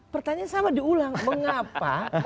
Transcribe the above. pertanyaan sama diulang mengapa